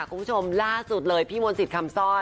คุณผู้ชมล่าสุดเลยพี่มนต์สิทธิ์คำซ่อย